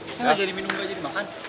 saya gak jadi minum gak jadi makan